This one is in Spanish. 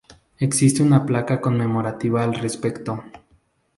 Existe una placa conmemorativa al respecto.